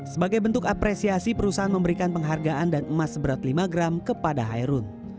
sebagai bentuk apresiasi perusahaan memberikan penghargaan dan emas seberat lima gram kepada hairun